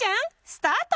スタート